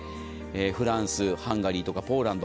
フランス、ハンガリーとかポーランド。